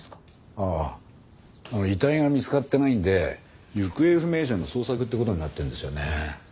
ああ遺体が見つかってないんで行方不明者の捜索って事になってるんですよね。